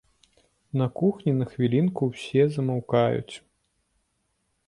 На кухні на хвілінку ўсе замаўкаюць.